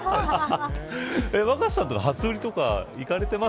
若狭さんは初売りとか行かれてます。